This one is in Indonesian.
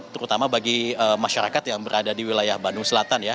terutama bagi masyarakat yang berada di wilayah bandung selatan ya